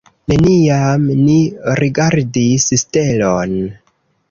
Neniam li rigardis stelon.